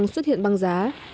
bác bộ sẽ xuất hiện băng giá